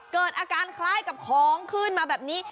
เกิดอาการคล้ายกับของขึ้นมาแบบนี้